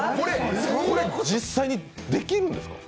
これ、実際にできるんですか？